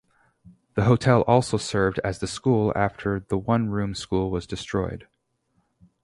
The hotel also served as the school after the one room school was destroyed.